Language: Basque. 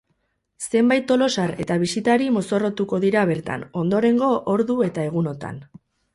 Zenbait tolosar eta bisitari mozorrotuko dira bertan, ondorengo ordu eta egunotan.